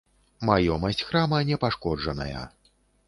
Маёмасць храма не пашкоджаная.